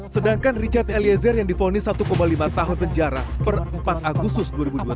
sedangkan richard eliezer yang difonis satu lima tahun penjara per empat agustus dua ribu dua puluh